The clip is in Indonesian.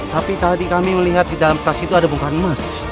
tapi tadi kami melihat di dalam tas itu ada bukaan emas